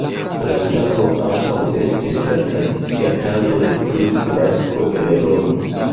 La tago ankaŭ estis la tradicia tago de Kristnasko en Romo.